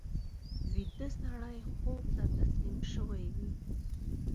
ویده سړی خوب ته تسلیم شوی وي